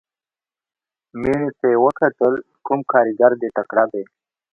مينې ته يې وکتل کوم کارګر دې تکړه دى.